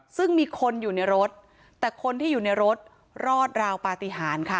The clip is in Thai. ซึ่งมีคนอยู่ในรถแต่คนที่อยู่ในรถรอดราวปฏิหารค่ะ